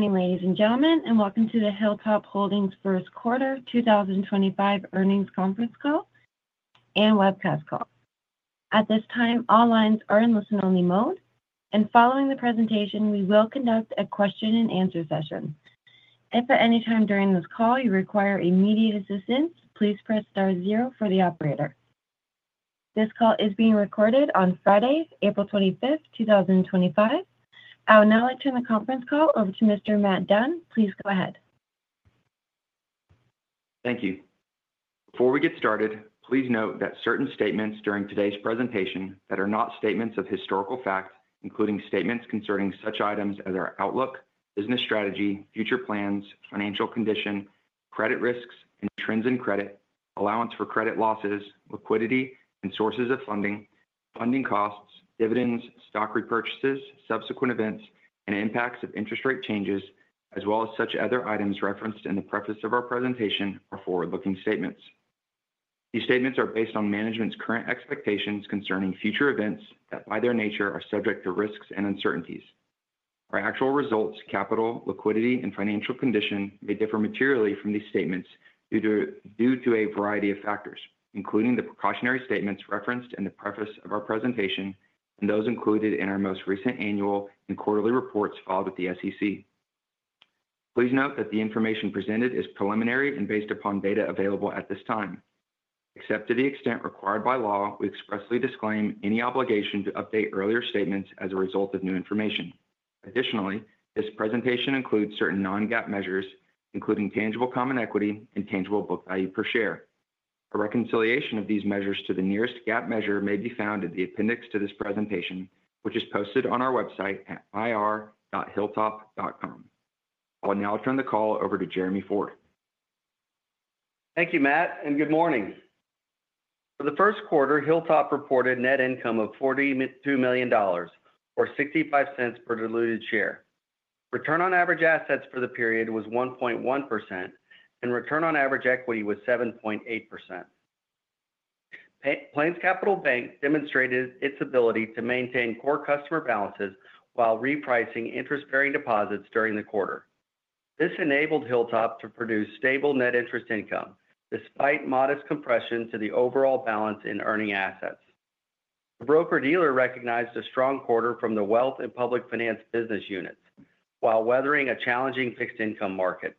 Morning, ladies and gentlemen, and welcome to the Hilltop Holdings First Quarter 2025 Earnings Conference Call and webcast call. At this time, all lines are in listen-only mode, and following the presentation, we will conduct a question-and-answer session. If at any time during this call you require immediate assistance, please press star zero for the operator. This call is being recorded on Friday, April 25, 2025. I will now turn the conference call over to Mr. Matt Dunn. Please go ahead. Thank you. Before we get started, please note that certain statements during today's presentation that are not statements of historical fact, including statements concerning such items as our outlook, business strategy, future plans, financial condition, credit risks, intrinsic credit, allowance for credit losses, liquidity and sources of funding, funding costs, dividends, stock repurchases, subsequent events, and impacts of interest rate changes, as well as such other items referenced in the preface of our presentation are forward-looking statements. These statements are based on management's current expectations concerning future events that by their nature are subject to risks and uncertainties. Our actual results, capital, liquidity, and financial condition may differ materially from these statements due to a variety of factors, including the precautionary statements referenced in the preface of our presentation and those included in our most recent annual and quarterly reports filed with the SEC. Please note that the information presented is preliminary and based upon data available at this time. Except to the extent required by law, we expressly disclaim any obligation to update earlier statements as a result of new information. Additionally, this presentation includes certain non-GAAP measures, including tangible common equity and tangible book value per share. A reconciliation of these measures to the nearest GAAP measure may be found in the appendix to this presentation, which is posted on our website at ir.hilltop.com. I'll now turn the call over to Jeremy Ford. Thank you, Matt, and good morning. For the first quarter, Hilltop Holdings reported net income of $42 million, or $0.65 per diluted share. Return on average assets for the period was 1.1%, and return on average equity was 7.8%. PlainsCapital Bank demonstrated its ability to maintain core customer balances while repricing interest-bearing deposits during the quarter. This enabled Hilltop Holdings to produce stable net interest income despite modest compression to the overall balance in earning assets. The broker-dealer recognized a strong quarter from the wealth and public finance business units, while weathering a challenging fixed-income market.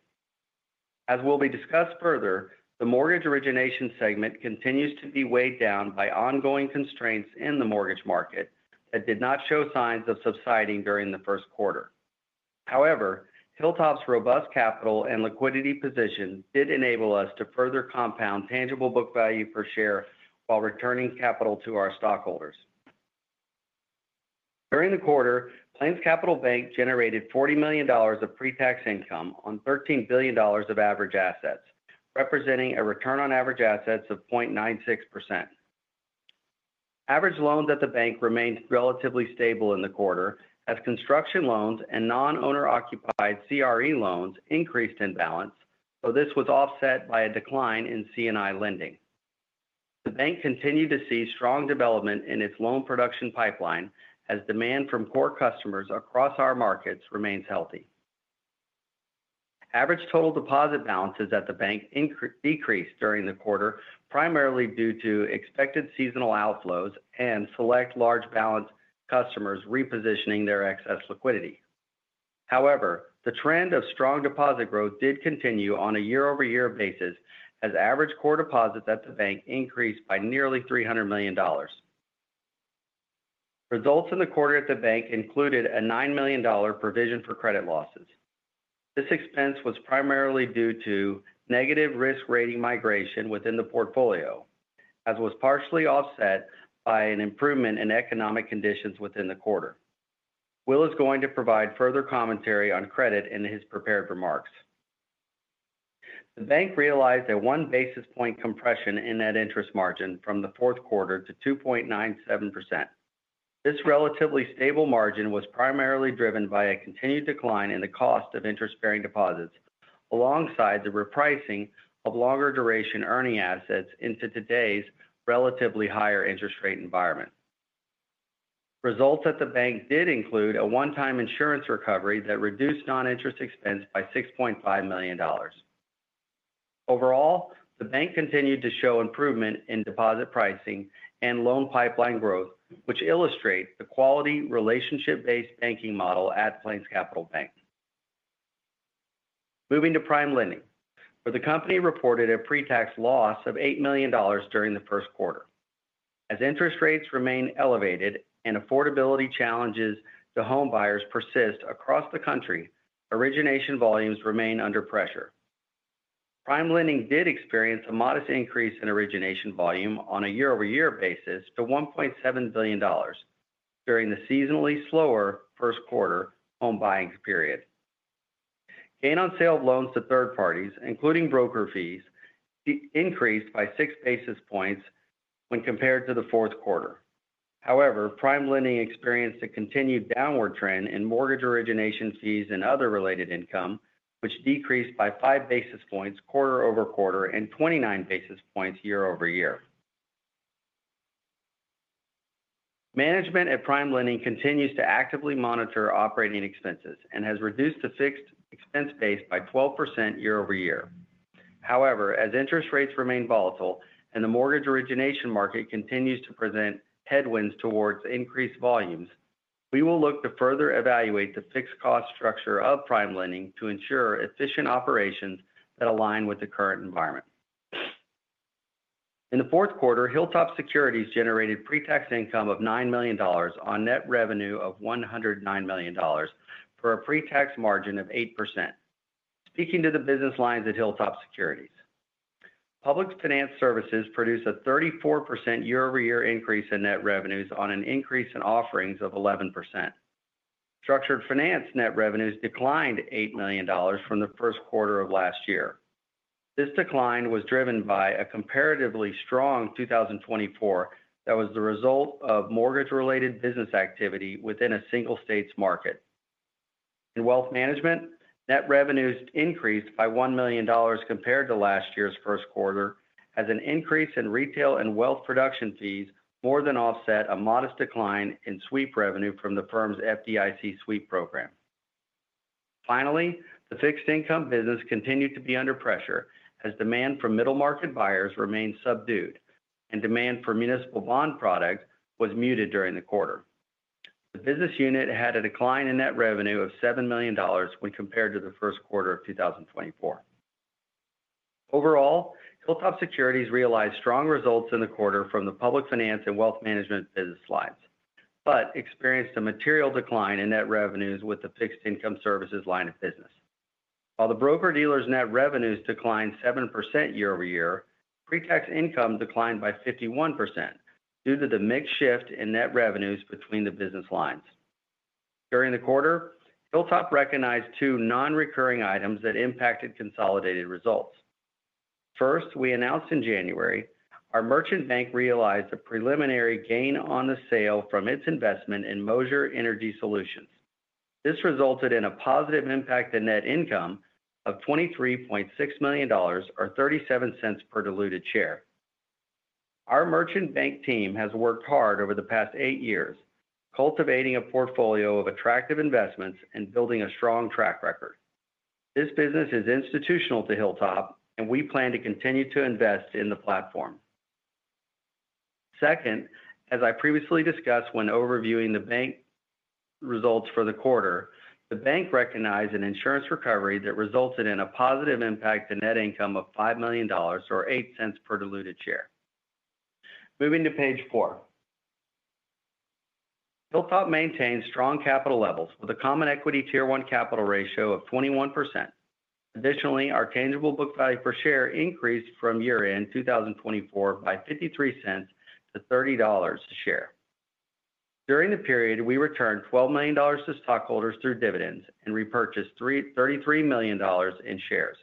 As will be discussed further, the mortgage origination segment continues to be weighed down by ongoing constraints in the mortgage market that did not show signs of subsiding during the first quarter. However, Hilltop Holdings' robust capital and liquidity position did enable us to further compound tangible book value per share while returning capital to our stockholders. During the quarter, PlainsCapital Bank generated $40 million of pre-tax income on $13 billion of average assets, representing a return on average assets of 0.96%. Average loans at the bank remained relatively stable in the quarter as construction loans and non-owner-occupied CRE loans increased in balance, though this was offset by a decline in C&I lending. The bank continued to see strong development in its loan production pipeline as demand from core customers across our markets remains healthy. Average total deposit balances at the bank decreased during the quarter primarily due to expected seasonal outflows and select large balance customers repositioning their excess liquidity. However, the trend of strong deposit growth did continue on a year-over-year basis as average core deposits at the bank increased by nearly $300 million. Results in the quarter at the bank included a $9 million provision for credit losses. This expense was primarily due to negative risk rating migration within the portfolio, as was partially offset by an improvement in economic conditions within the quarter. Will is going to provide further commentary on credit in his prepared remarks. The bank realized a one-basis point compression in net interest margin from the fourth quarter to 2.97%. This relatively stable margin was primarily driven by a continued decline in the cost of interest-bearing deposits, alongside the repricing of longer-duration earning assets into today's relatively higher interest rate environment. Results at the bank did include a one-time insurance recovery that reduced non-interest expense by $6.5 million. Overall, the bank continued to show improvement in deposit pricing and loan pipeline growth, which illustrate the quality relationship-based banking model at PlainsCapital Bank. Moving to PrimeLending, where the company reported a pre-tax loss of $8 million during the first quarter. As interest rates remain elevated and affordability challenges to home buyers persist across the country, origination volumes remain under pressure. PrimeLending did experience a modest increase in origination volume on a year-over-year basis to $1.7 billion during the seasonally slower first quarter home buying period. Gain on sale of loans to third parties, including broker fees, increased by six basis points when compared to the fourth quarter. However, PrimeLending experienced a continued downward trend in mortgage origination fees and other related income, which decreased by five basis points quarter-over-quarter and 29 basis points year-over-year. Management at PrimeLending continues to actively monitor operating expenses and has reduced the fixed expense base by 12% year-over-year. However, as interest rates remain volatile and the mortgage origination market continues to present headwinds towards increased volumes, we will look to further evaluate the fixed cost structure of PrimeLending to ensure efficient operations that align with the current environment. In the fourth quarter, Hilltop Securities generated pre-tax income of $9 million on net revenue of $109 million for a pre-tax margin of 8%. Speaking to the business lines at Hilltop Securities, public finance services produced a 34% year-over-year increase in net revenues on an increase in offerings of 11%. Structured finance net revenues declined $8 million from the first quarter of last year. This decline was driven by a comparatively strong 2024 that was the result of mortgage-related business activity within a single state's market. In wealth management, net revenues increased by $1 million compared to last year's first quarter as an increase in retail and wealth production fees more than offset a modest decline in sweep revenue from the firm's FDIC sweep program. Finally, the fixed-income business continued to be under pressure as demand for middle-market buyers remained subdued and demand for municipal bond products was muted during the quarter. The business unit had a decline in net revenue of $7 million when compared to the first quarter of 2024. Overall, Hilltop Securities realized strong results in the quarter from the public finance and wealth management business lines, but experienced a material decline in net revenues with the fixed-income services line of business. While the broker-dealer's net revenues declined 7% year-over-year, pre-tax income declined by 51% due to the mixed shift in net revenues between the business lines. During the quarter, Hilltop Holdings recognized two non-recurring items that impacted consolidated results. First, we announced in January, our merchant bank realized a preliminary gain on the sale from its investment in Moser Energy Solutions. This resulted in a positive impact in net income of $23.6 million, or $0.37 per diluted share. Our merchant bank team has worked hard over the past eight years, cultivating a portfolio of attractive investments and building a strong track record. This business is institutional to Hilltop Holdings, and we plan to continue to invest in the platform. Second, as I previously discussed when overviewing the bank results for the quarter, the bank recognized an insurance recovery that resulted in a positive impact in net income of $5 million, or $0.08 per diluted share. Moving to page four, Hilltop Holdings maintains strong capital levels with a Common Equity Tier 1 capital ratio of 21%. Additionally, our tangible book value per share increased from year-end 2024 by $0.53 to $30 a share. During the period, we returned $12 million to stockholders through dividends and repurchased $33 million in shares.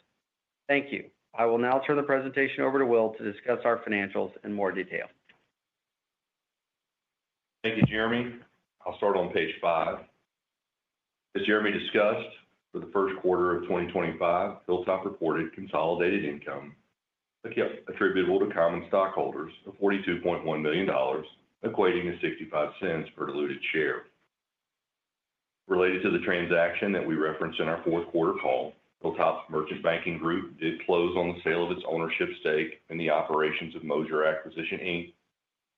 Thank you. I will now turn the presentation over to Will to discuss our financials in more detail. Thank you, Jeremy. I'll start on page five. As Jeremy discussed, for the first quarter of 2025, Hilltop Holdings reported consolidated income attributable to common stockholders of $42.1 million, equating to $0.65 per diluted share. Related to the transaction that we referenced in our fourth quarter call, Hilltop's merchant banking group did close on the sale of its ownership stake in the operations of Moser Acquisition Inc.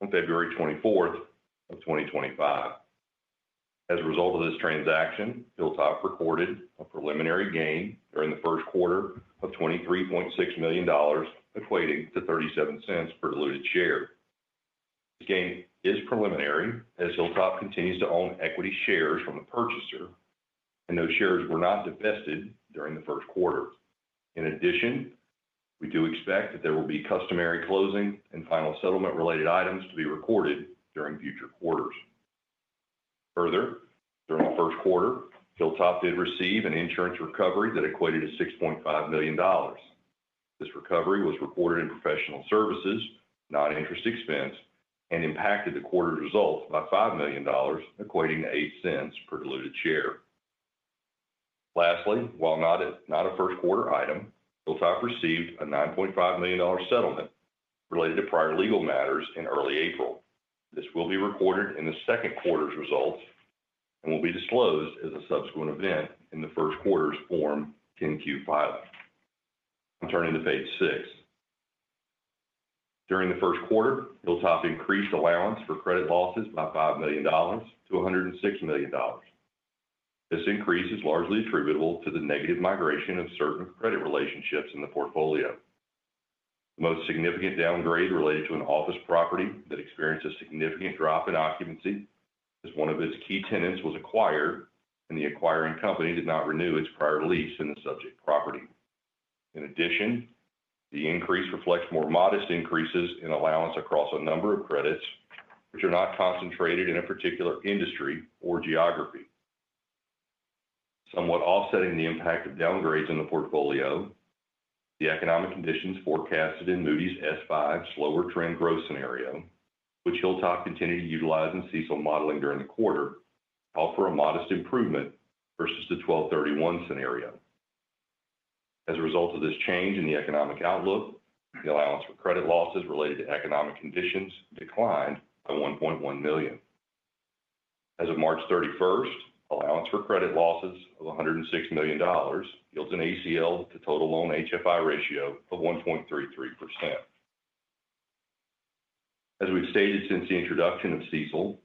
on February 24th of 2025. As a result of this transaction, Hilltop Holdings recorded a preliminary gain during the first quarter of $23.6 million, equating to $0.37 per diluted share. This gain is preliminary as Hilltop Holdings continues to own equity shares from the purchaser, and those shares were not divested during the first quarter. In addition, we do expect that there will be customary closing and final settlement-related items to be recorded during future quarters. Further, during the first quarter, Hilltop Holdings did receive an insurance recovery that equated to $6.5 million. This recovery was reported in professional services, non-interest expense, and impacted the quarter's results by $5 million, equating to $0.08 per diluted share. Lastly, while not a first-quarter item, Hilltop Holdings received a $9.5 million settlement related to prior legal matters in early April. This will be recorded in the second quarter's results and will be disclosed as a subsequent event in the first quarter's Form 10-Q filing. I'm turning to page six. During the first quarter, Hilltop Holdings increased allowance for credit losses by $5 million to $106 million. This increase is largely attributable to the negative migration of certain credit relationships in the portfolio. The most significant downgrade related to an office property that experienced a significant drop in occupancy as one of its key tenants was acquired, and the acquiring company did not renew its prior lease in the subject property. In addition, the increase reflects more modest increases in allowance across a number of credits, which are not concentrated in a particular industry or geography. Somewhat offsetting the impact of downgrades in the portfolio, the economic conditions forecasted in Moody's S5 slower trend growth scenario, which Hilltop Holdings continued to utilize in CECL modeling during the quarter, offer a modest improvement versus the 12/31 scenario. As a result of this change in the economic outlook, the allowance for credit losses related to economic conditions declined by $1.1 million. As of March 31, allowance for credit losses of $106 million yields an ACL to total loan HFI ratio of 1.33%. As we've stated since the introduction of CECL,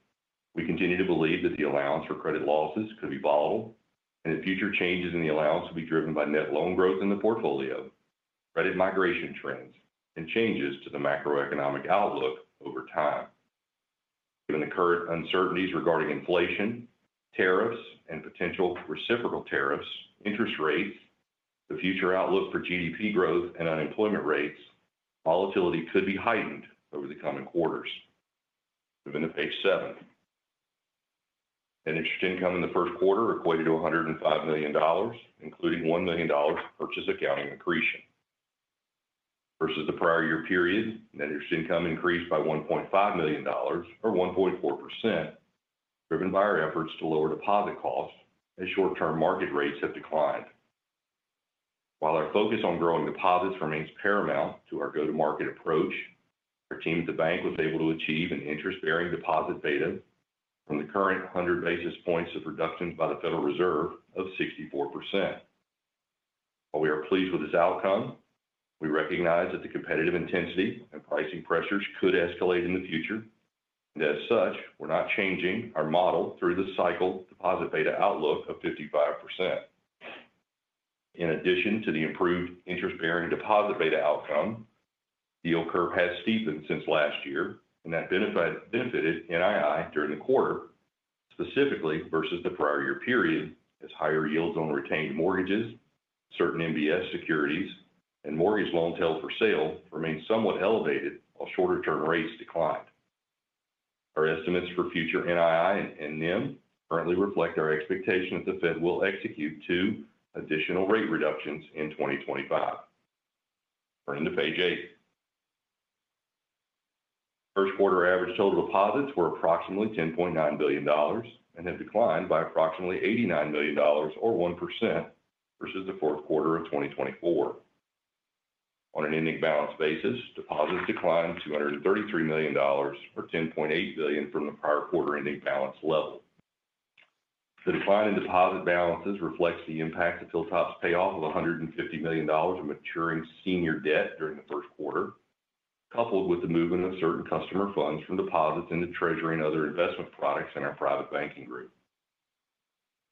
we continue to believe that the allowance for credit losses could be volatile, and that future changes in the allowance will be driven by net loan growth in the portfolio, credit migration trends, and changes to the macroeconomic outlook over time. Given the current uncertainties regarding inflation, tariffs, and potential reciprocal tariffs, interest rates, the future outlook for GDP growth and unemployment rates, volatility could be heightened over the coming quarters. Moving to page seven, net interest income in the first quarter equated to $105 million, including $1 million purchase accounting accretion. Versus the prior year period, net interest income increased by $1.5 million, or 1.4%, driven by our efforts to lower deposit costs as short-term market rates have declined. While our focus on growing deposits remains paramount to our go-to-market approach, our team at the bank was able to achieve an interest-bearing deposit beta from the current 100 basis points of reduction by the Federal Reserve of 64%. While we are pleased with this outcome, we recognize that the competitive intensity and pricing pressures could escalate in the future, and as such, we're not changing our model through the cycle deposit beta outlook of 55%. In addition to the improved interest-bearing deposit beta outcome, yield curve has steepened since last year, and that benefited NII during the quarter, specifically versus the prior year period as higher yields on retained mortgages, certain MBS securities, and mortgage loans held for sale remained somewhat elevated while shorter-term rates declined. Our estimates for future NII and NIM currently reflect our expectation that the Federal Reserve will execute two additional rate reductions in 2025. Turning to page eight, first quarter average total deposits were approximately $10.9 billion and have declined by approximately $89 million, or 1%, versus the fourth quarter of 2024. On an ending balance basis, deposits declined $233 million, to $10.8 billion, from the prior quarter ending balance level. The decline in deposit balances reflects the impact of Hilltop Holdings' payoff of $150 million of maturing senior debt during the first quarter, coupled with the movement of certain customer funds from deposits into treasury and other investment products in our private banking group.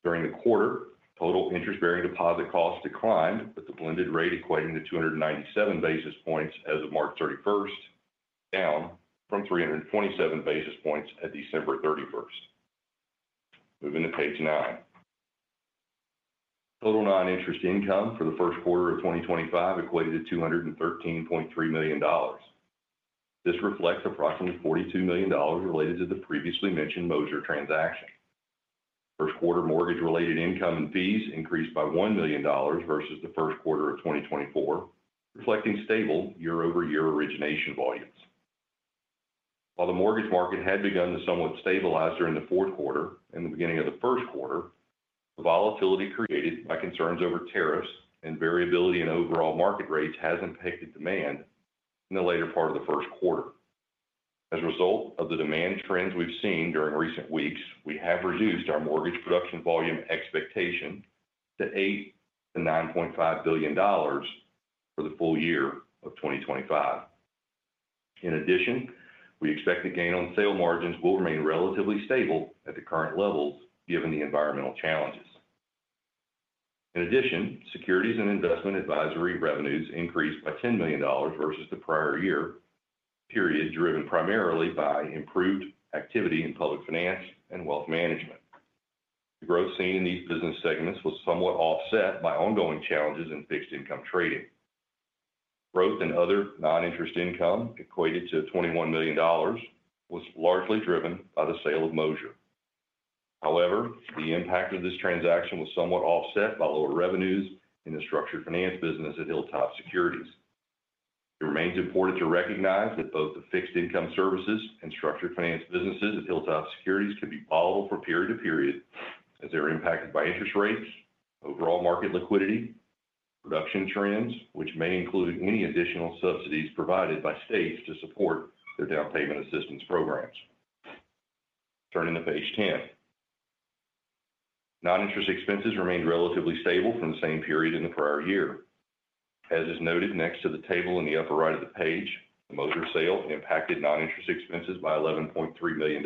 During the quarter, total interest-bearing deposit costs declined, with the blended rate equating to 297 basis points as of March 31, down from 327 basis points at December 31. Moving to page nine, total non-interest income for the first quarter of 2025 equated to $213.3 million. This reflects approximately $42 million related to the previously mentioned Moser Energy Solutions transaction. First quarter mortgage-related income and fees increased by $1 million versus the first quarter of 2024, reflecting stable year-over-year origination volumes. While the mortgage market had begun to somewhat stabilize during the fourth quarter and the beginning of the first quarter, the volatility created by concerns over tariffs and variability in overall market rates has impacted demand in the later part of the first quarter. As a result of the demand trends we've seen during recent weeks, we have reduced our mortgage production volume expectation to $8 billion-$9.5 billion for the full year of 2025. In addition, we expect the gain on sale margins will remain relatively stable at the current levels given the environmental challenges. In addition, securities and investment advisory revenues increased by $10 million versus the prior year, period driven primarily by improved activity in public finance and wealth management. The growth seen in these business segments was somewhat offset by ongoing challenges in fixed-income trading. Growth in other non-interest income equated to $21 million was largely driven by the sale of Moser Energy Solutions. However, the impact of this transaction was somewhat offset by lower revenues in the structured finance business at Hilltop Securities. It remains important to recognize that both the fixed-income services and structured finance businesses at Hilltop Securities could be volatile from period to period as they're impacted by interest rates, overall market liquidity, production trends, which may include any additional subsidies provided by states to support their down payment assistance programs. Turning to page 10, non-interest expenses remained relatively stable from the same period in the prior year. As is noted next to the table in the upper right of the page, the Moser Energy Solutions sale impacted non-interest expenses by $11.3 million,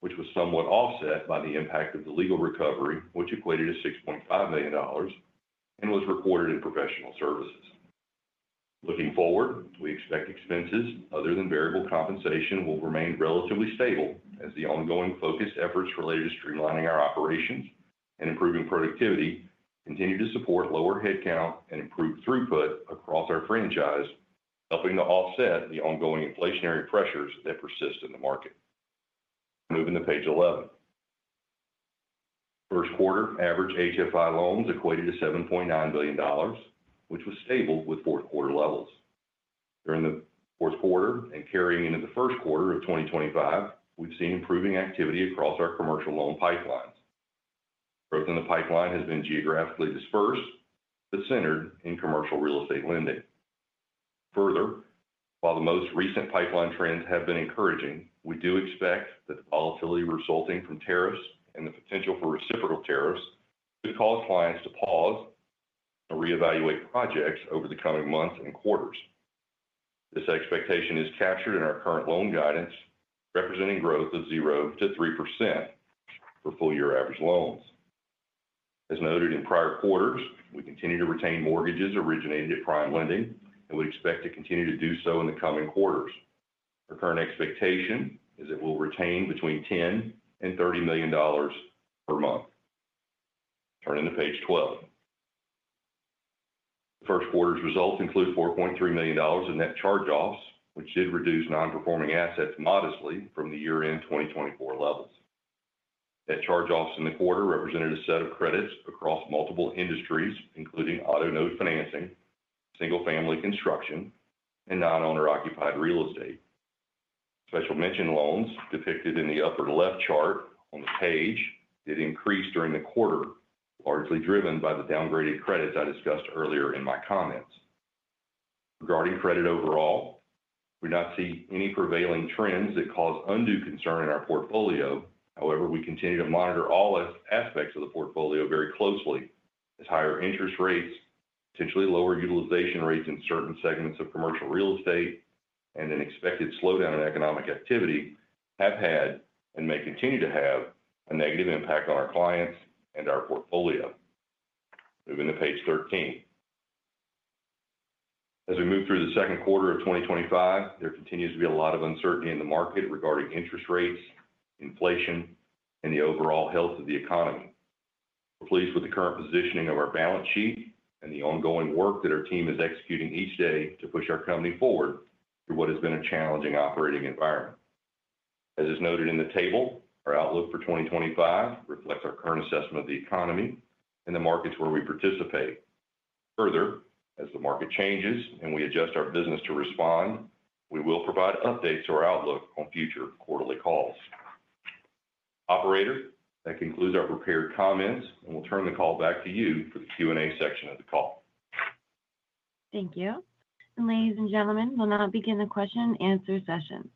which was somewhat offset by the impact of the legal recovery, which equated to $6.5 million and was recorded in professional services. Looking forward, we expect expenses other than variable compensation will remain relatively stable as the ongoing focused efforts related to streamlining our operations and improving productivity continue to support lower headcount and improved throughput across our franchise, helping to offset the ongoing inflationary pressures that persist in the market. Moving to page 11, first quarter average HFI loans equated to $7.9 billion, which was stable with fourth quarter levels. During the fourth quarter and carrying into the first quarter of 2025, we've seen improving activity across our commercial loan pipelines. Growth in the pipeline has been geographically dispersed but centered in commercial real estate lending. Further, while the most recent pipeline trends have been encouraging, we do expect that the volatility resulting from tariffs and the potential for reciprocal tariffs could cause clients to pause and reevaluate projects over the coming months and quarters. This expectation is captured in our current loan guidance, representing growth of 0%-3% for full-year average loans. As noted in prior quarters, we continue to retain mortgages originated at PrimeLending, and we expect to continue to do so in the coming quarters. Our current expectation is that we'll retain between $10 million and $30 million per month. Turning to page 12, the first quarter's results include $4.3 million in net charge-offs, which did reduce non-performing assets modestly from the year-end 2024 levels. Net charge-offs in the quarter represented a set of credits across multiple industries, including auto-note financing, single-family construction, and non-owner-occupied real estate. Special Mention loans depicted in the upper left chart on the page did increase during the quarter, largely driven by the downgraded credits I discussed earlier in my comments. Regarding credit overall, we do not see any prevailing trends that cause undue concern in our portfolio. However, we continue to monitor all aspects of the portfolio very closely as higher interest rates, potentially lower utilization rates in certain segments of commercial real estate, and an expected slowdown in economic activity have had and may continue to have a negative impact on our clients and our portfolio. Moving to page 13, as we move through the second quarter of 2025, there continues to be a lot of uncertainty in the market regarding interest rates, inflation, and the overall health of the economy. We're pleased with the current positioning of our balance sheet and the ongoing work that our team is executing each day to push our company forward through what has been a challenging operating environment. As is noted in the table, our outlook for 2025 reflects our current assessment of the economy and the markets where we participate. Further, as the market changes and we adjust our business to respond, we will provide updates to our outlook on future quarterly calls. Operator, that concludes our prepared comments, and we'll turn the call back to you for the Q&A section of the call. Thank you. Ladies and gentlemen, we'll now begin the question-and-answer session.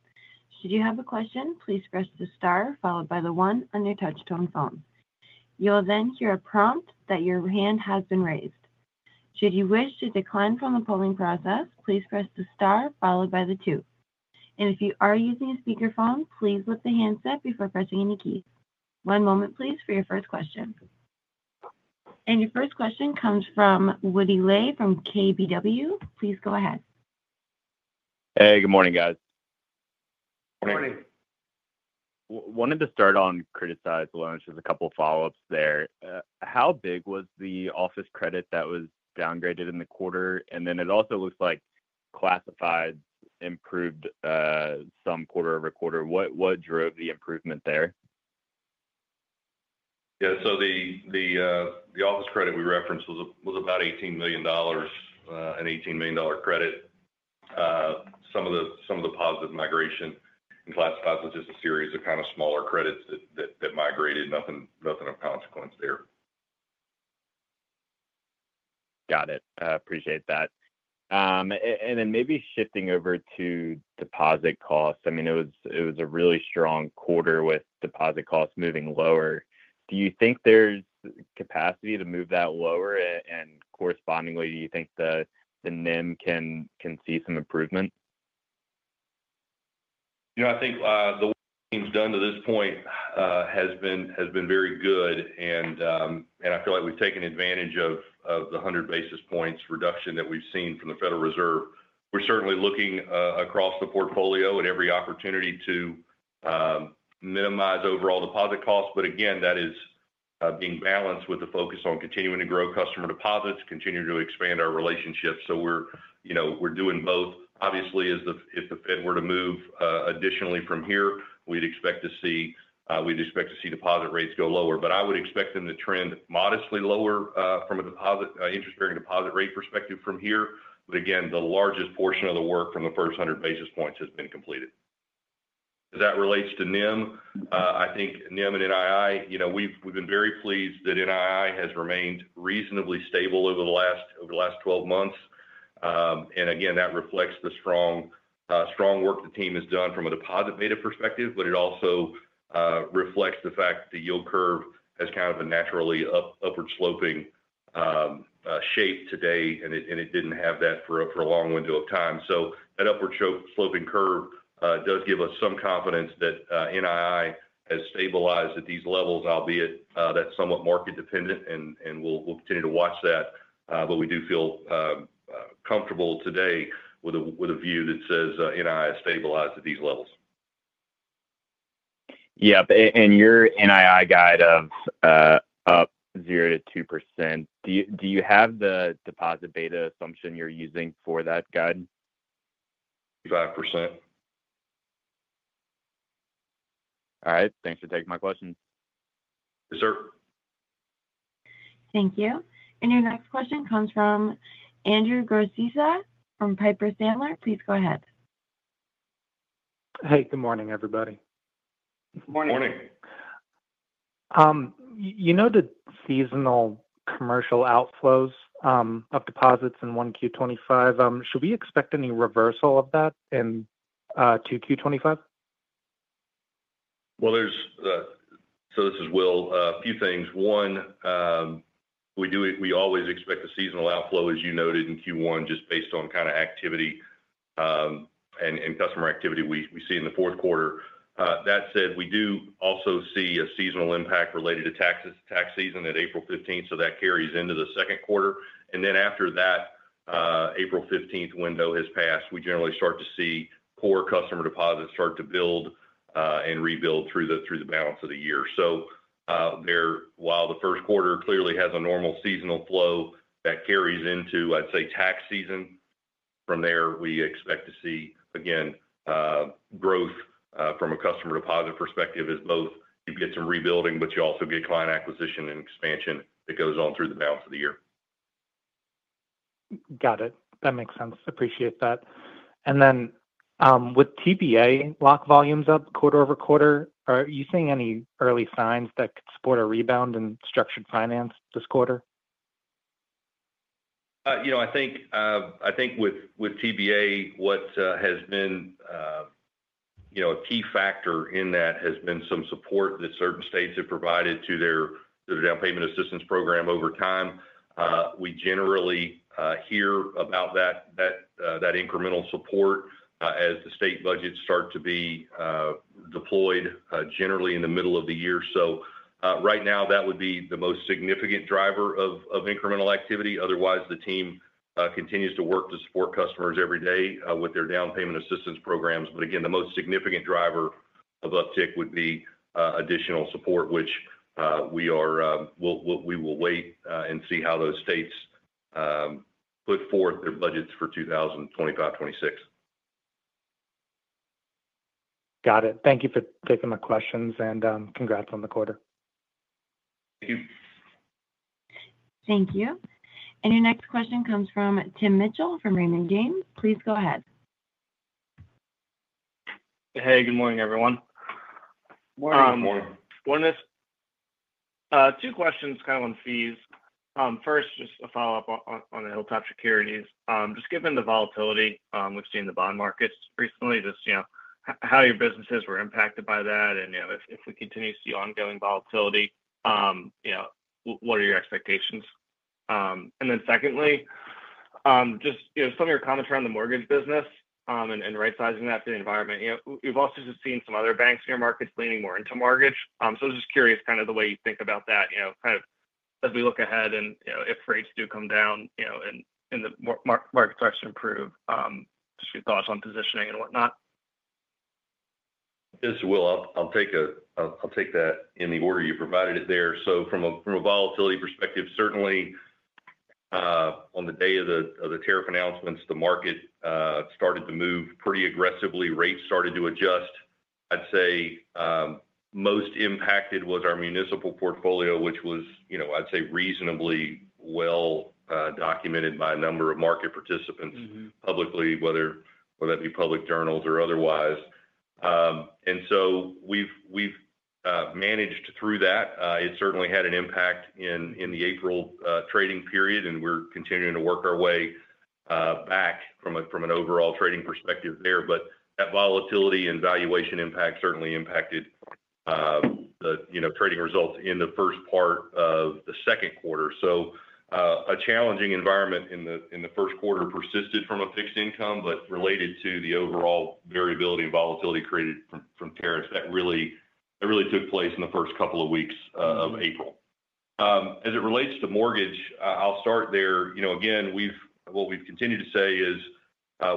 Should you have a question, please press the star followed by the one on your touch-tone phone. You'll then hear a prompt that your hand has been raised. Should you wish to decline from the polling process, please press the star followed by the two. If you are using a speakerphone, please lift the handset before pressing any keys. One moment, please, for your first question. Your first question comes from Woody Lay from KBW. Please go ahead. Hey, good morning, guys. Morning. Morning. Wanted to start on criticized loans. Just a couple of follow-ups there. How big was the office credit that was downgraded in the quarter? It also looks like classifieds improved some quarter-over-quarter. What drove the improvement there? Yeah. The office credit we referenced was about $18 million, an $18 million credit. Some of the positive migration in classifieds was just a series of kind of smaller credits that migrated. Nothing of consequence there. Got it. Appreciate that. Maybe shifting over to deposit costs. I mean, it was a really strong quarter with deposit costs moving lower. Do you think there's capacity to move that lower? And correspondingly, do you think the NIM can see some improvement? I think the work we've done to this point has been very good, and I feel like we've taken advantage of the 100 basis points reduction that we've seen from the Federal Reserve. We're certainly looking across the portfolio at every opportunity to minimize overall deposit costs. Again, that is being balanced with the focus on continuing to grow customer deposits, continuing to expand our relationship. We're doing both. Obviously, if the Fed were to move additionally from here, we'd expect to see deposit rates go lower. I would expect them to trend modestly lower from an interest-bearing deposit rate perspective from here. Again, the largest portion of the work from the first 100 basis points has been completed. As that relates to NIM, I think NIM and NII, we've been very pleased that NII has remained reasonably stable over the last 12 months. That reflects the strong work the team has done from a deposit beta perspective, but it also reflects the fact that the yield curve has kind of a naturally upward-sloping shape today, and it did not have that for a long window of time. That upward-sloping curve does give us some confidence that NII has stabilized at these levels, albeit that is somewhat market-dependent, and we will continue to watch that. We do feel comfortable today with a view that says NII has stabilized at these levels. Yep. Your NII guide of up 0%-2%, do you have the deposit beta assumption you're using for that guide? 25%. All right. Thanks for taking my questions. Yes, sir. Thank you. Your next question comes from Andrew Gorczyca from Piper Sandler. Please go ahead. Hey, good morning, everybody. Good morning. Good morning. You noted seasonal commercial outflows of deposits in 1Q 2025. Should we expect any reversal of that in 2Q 2025? This is Will. A few things. One, we always expect a seasonal outflow, as you noted in Q1, just based on kind of activity and customer activity we see in the fourth quarter. That said, we do also see a seasonal impact related to tax season at April 15th, so that carries into the second quarter. After that, once the April 15th window has passed, we generally start to see core customer deposits start to build and rebuild through the balance of the year. While the first quarter clearly has a normal seasonal flow that carries into, I would say, tax season, from there, we expect to see, again, growth from a customer deposit perspective as both you get some rebuilding, but you also get client acquisition and expansion that goes on through the balance of the year. Got it. That makes sense. Appreciate that. With TBA lock volumes up quarter-over-quarter, are you seeing any early signs that could support a rebound in structured finance this quarter? I think with TBA, what has been a key factor in that has been some support that certain states have provided to their down payment assistance program over time. We generally hear about that incremental support as the state budgets start to be deployed generally in the middle of the year. Right now, that would be the most significant driver of incremental activity. Otherwise, the team continues to work to support customers every day with their down payment assistance programs. Again, the most significant driver of uptick would be additional support, which we will wait and see how those states put forth their budgets for 2025-2026. Got it. Thank you for taking my questions and congrats on the quarter. Thank you. Thank you. Your next question comes from Tim Mitchell from Raymond James. Please go ahead. Hey, good morning, everyone. Morning. Morning. Good morning. Two questions kind of on fees. First, just a follow-up on Hilltop Securities. Just given the volatility we've seen in the bond markets recently, just how your businesses were impacted by that, and if we continue to see ongoing volatility, what are your expectations? Secondly, just some of your comments around the mortgage business and rightsizing that to the environment. We've also just seen some other banks in your markets leaning more into mortgage. I was just curious kind of the way you think about that, kind of as we look ahead and if rates do come down and the market starts to improve, just your thoughts on positioning and whatnot. This is Will. I'll take that in the order you provided it there. From a volatility perspective, certainly on the day of the tariff announcements, the market started to move pretty aggressively. Rates started to adjust. I'd say most impacted was our municipal portfolio, which was, I'd say, reasonably well documented by a number of market participants publicly, whether that be public journals or otherwise. We've managed through that. It certainly had an impact in the April trading period, and we're continuing to work our way back from an overall trading perspective there. That volatility and valuation impact certainly impacted the trading results in the first part of the second quarter. A challenging environment in the first quarter persisted from a fixed income, but related to the overall variability and volatility created from tariffs, that really took place in the first couple of weeks of April. As it relates to mortgage, I'll start there. Again, what we've continued to say is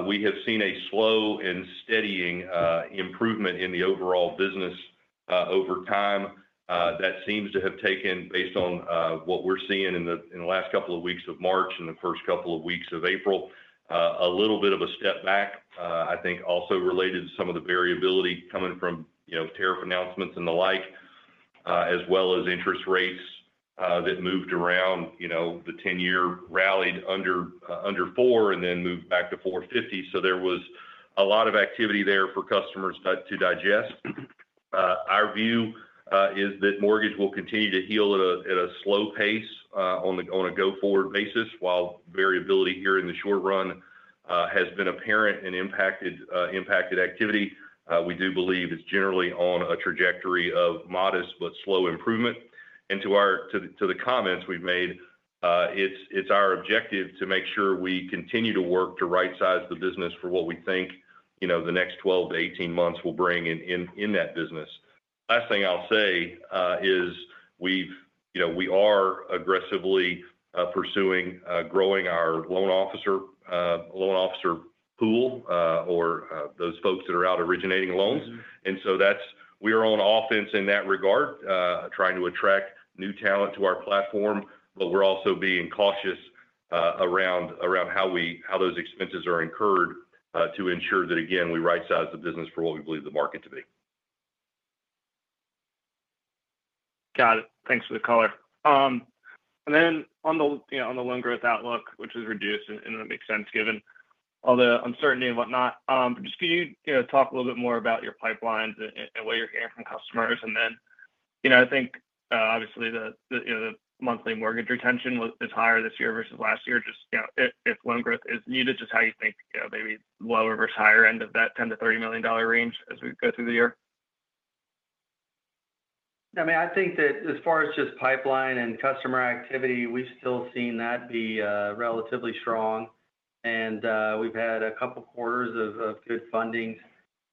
we have seen a slow and steadying improvement in the overall business over time that seems to have taken, based on what we're seeing in the last couple of weeks of March and the first couple of weeks of April, a little bit of a step back, I think also related to some of the variability coming from tariff announcements and the like, as well as interest rates that moved around the 10-year rallied under 4 and then moved back to 4.50. There was a lot of activity there for customers to digest. Our view is that mortgage will continue to heal at a slow pace on a go-forward basis while variability here in the short run has been apparent and impacted activity. We do believe it's generally on a trajectory of modest but slow improvement. To the comments we've made, it's our objective to make sure we continue to work to rightsize the business for what we think the next 12-18 months will bring in that business. The last thing I'll say is we are aggressively pursuing growing our loan officer pool or those folks that are out originating loans. We are on offense in that regard, trying to attract new talent to our platform, but we're also being cautious around how those expenses are incurred to ensure that, again, we rightsize the business for what we believe the market to be. Got it. Thanks for the color. On the loan growth outlook, which has reduced, and that makes sense given all the uncertainty and whatnot, could you talk a little bit more about your pipelines and what you're hearing from customers? I think, obviously, the monthly mortgage retention is higher this year versus last year. Just if loan growth is needed, just how you think maybe lower versus higher end of that $10 million-$30 million range as we go through the year? I mean, I think that as far as just pipeline and customer activity, we've still seen that be relatively strong. We've had a couple of quarters of good funding.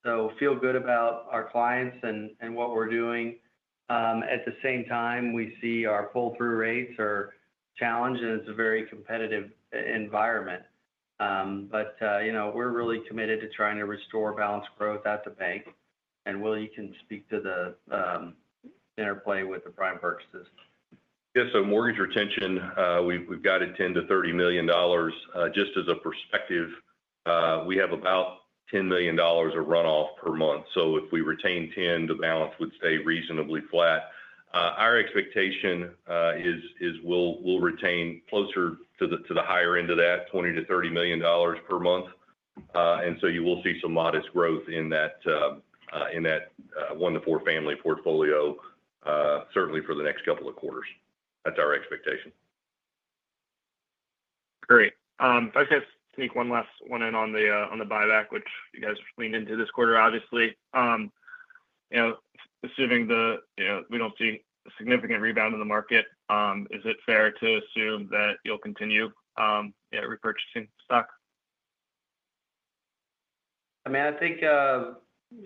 So feel good about our clients and what we're doing. At the same time, we see our pull-through rates are challenged, and it's a very competitive environment. We're really committed to trying to restore balanced growth at the bank. Will, you can speak to the interplay with the prime purchases. Yeah. So mortgage retention, we've got a $10 million-$30 million. Just as a perspective, we have about $10 million of runoff per month. If we retain $10 million, the balance would stay reasonably flat. Our expectation is we'll retain closer to the higher end of that, $20 million-$30 million per month. You will see some modest growth in that 1-4 family portfolio, certainly for the next couple of quarters. That's our expectation. Great. I guess I need one last one in on the buyback, which you guys leaned into this quarter, obviously. Assuming we don't see a significant rebound in the market, is it fair to assume that you'll continue repurchasing stock? I mean, I think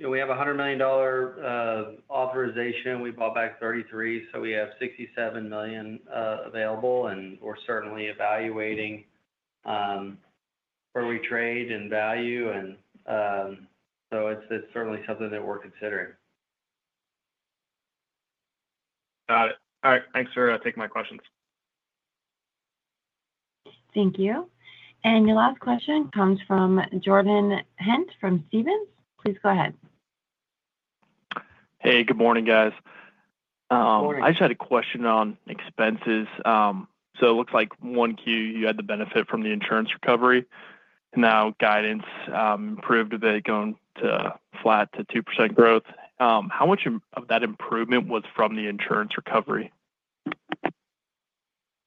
we have a $100 million authorization. We bought back $33 million, so we have $67 million available, and we're certainly evaluating where we trade and value. It's certainly something that we're considering. Got it. All right. Thanks for taking my questions. Thank you. Your last question comes from Jordan Ghent from Stephens. Please go ahead. Hey, good morning, guys. Good morning. I just had a question on expenses. It looks like 1Q, you had the benefit from the insurance recovery. Now guidance improved a bit, going flat to 2% growth. How much of that improvement was from the insurance recovery?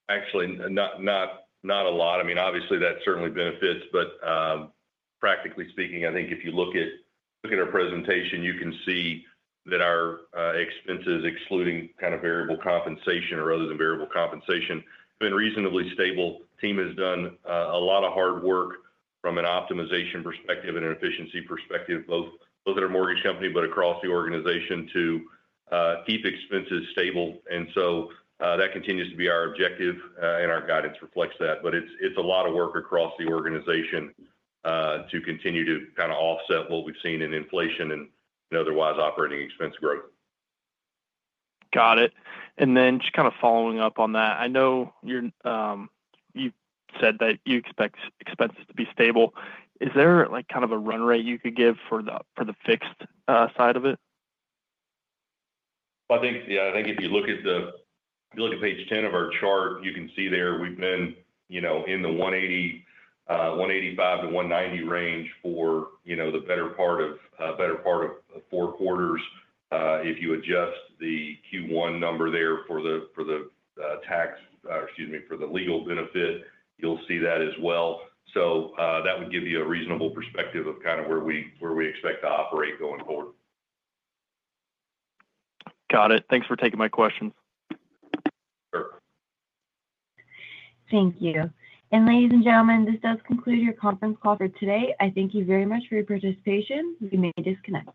Actually, not a lot. I mean, obviously, that certainly benefits. Practically speaking, I think if you look at our presentation, you can see that our expenses, excluding kind of variable compensation or other than variable compensation, have been reasonably stable. Team has done a lot of hard work from an optimization perspective and an efficiency perspective, both at our mortgage company but across the organization to keep expenses stable. That continues to be our objective, and our guidance reflects that. It is a lot of work across the organization to continue to kind of offset what we have seen in inflation and otherwise operating expense growth. Got it. Just kind of following up on that, I know you said that you expect expenses to be stable. Is there kind of a run rate you could give for the fixed side of it? I think, yeah, I think if you look at page 10 of our chart, you can see there we have been in the $185 million-$190 million range for the better part of four quarters. If you adjust the Q1 number there for the tax or, excuse me, for the legal benefit, you will see that as well. That would give you a reasonable perspective of kind of where we expect to operate going forward. Got it. Thanks for taking my questions. Sure. Thank you. Ladies and gentlemen, this does conclude your conference call for today. I thank you very much for your participation. You may disconnect.